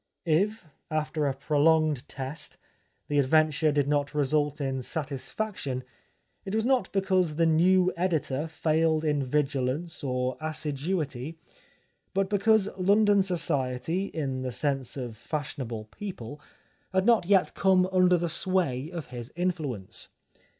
If, after a prolonged test, the adventure did not result in satisfaction, it was not because the new editor failed in vigilance or assiduity, but be cause London society, in the sense of fashionable people, had not yet come under the sway of his influence.